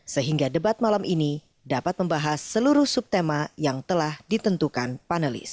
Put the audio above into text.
sehingga debat malam ini dapat membahas seluruh subtema yang telah ditentukan panelis